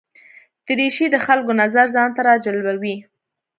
دریشي د خلکو نظر ځان ته راجلبوي.